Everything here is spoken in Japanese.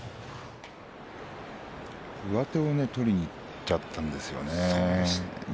上手を取りにいってしまったんですよね。